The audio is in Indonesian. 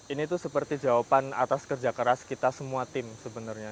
ini tuh seperti jawaban atas kerja keras kita semua tim sebenarnya